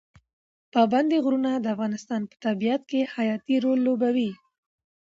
پابندي غرونه د افغانستان په طبیعت کې حیاتي رول لوبوي.